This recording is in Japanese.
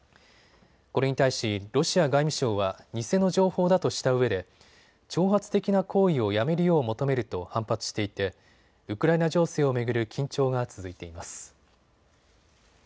これに対しロシア外務省は偽の情報だとしたうえで挑発的な行為をやめるよう求めると反発していてウクライナ情勢を巡る緊張が続いています。